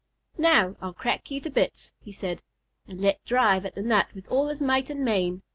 "Now, I'll crack you to bits," he said, and let drive at the nut with all his might and main.